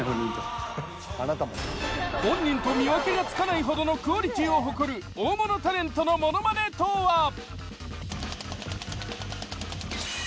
本人と見分けがつかないほどのクオリティーを誇る大物タレントのものまねとは？